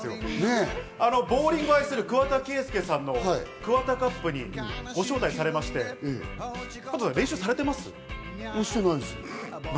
ボウリングを愛する桑田佳祐さんのＫＵＷＡＴＡＣＵＰにご招待されまして、加藤さん、練習されてます？